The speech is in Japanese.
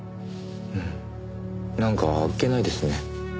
うんなんかあっけないですね。